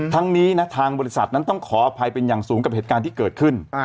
ทั้งนี้นะทางบริษัทนั้นต้องขออภัยเป็นอย่างสูงกับเหตุการณ์ที่เกิดขึ้น